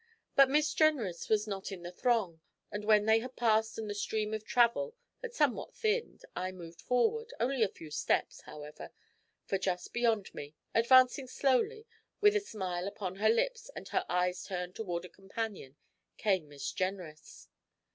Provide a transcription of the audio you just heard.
But Miss Jenrys was not in this throng; and when they had passed and the stream of travel had somewhat thinned I moved forward, only a few steps, however, for just beyond me, advancing slowly, with a smile upon her lips, and her eyes turned toward a companion, came Miss Jenrys.